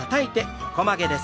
横曲げです。